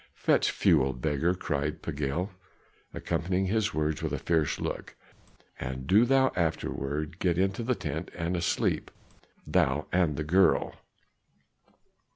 "Fetch fuel, beggar!" cried Pagiel, accompanying his words with a fierce look, "and do thou afterward get into the tent and sleep, thou and the girl."